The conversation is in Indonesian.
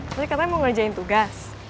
ternyata mau ngelajain tugas